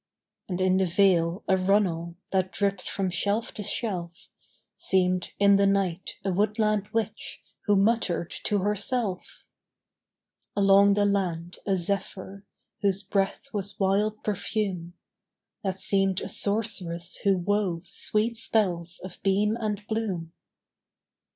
And in the vale a runnel, That dripped from shelf to shelf, Seemed in the night, a woodland witch Who muttered to herself. Along the land a zephyr, Whose breath was wild perfume, That seemed a sorceress who wove Sweet spells of beam and bloom.